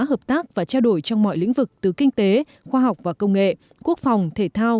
hợp tác và trao đổi trong mọi lĩnh vực từ kinh tế khoa học và công nghệ quốc phòng thể thao